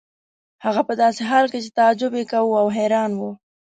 هغه په داسې حال کې چې تعجب یې کاوه او حیران و.